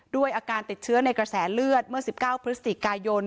ด้วยอาการติดเชื้อในกระแสเลือดเมื่อ๑๙พฤศจิกายน